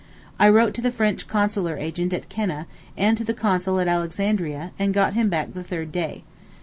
I wrote to the French Consular agent at Keneh, and to the Consul at Alexandria, and got him back the third day.